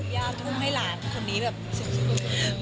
อยากทุ่มให้หลานคนนี้แบบสิบอย่างนั้น